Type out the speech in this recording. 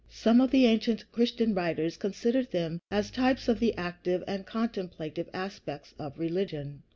Some of the ancient Christian writers considered them as types of the active and the contemplative aspects of religion.